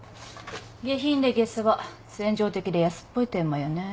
下品で下世話扇情的で安っぽいテーマよね。